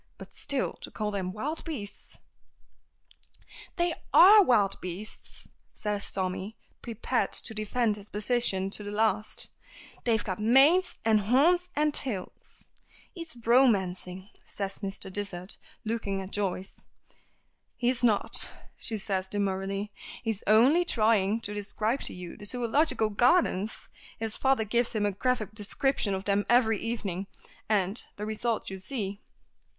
But still, to call them wild beasts " "They are wild beasts," says Tommy, prepared to defend his position to the last. "They've got manes, and horns, and tails!" "He's romancing," says Mr. Dysart looking at Joyce. "He's not," says she demurely. "He is only trying to describe to you the Zoological Gardens. His father gives him a graphic description of them every evening, and the result you see."